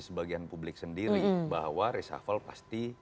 sebagian publik sendiri bahwa reshuffle pasti